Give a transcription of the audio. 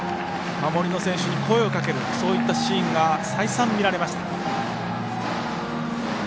守りの選手に声をかけるそういったシーンが再三見られました。